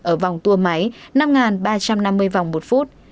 ở vòng tua máy năm ba trăm năm mươi vòng một phút